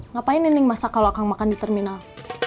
ngapain neneng masak kalau akang makan di terminal